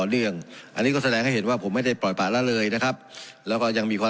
เรื่องอันนี้ก็แสดงให้เห็นว่าผมไม่ได้ปล่อยป่าละเลยนะครับแล้วก็ยังมีความ